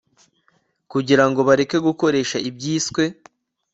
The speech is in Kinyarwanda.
kugirango bareke gukoresha ibyiswe